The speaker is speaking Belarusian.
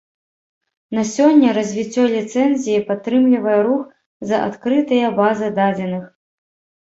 На сёння развіццё ліцэнзіі падтрымлівае рух за адкрытыя базы дадзеных.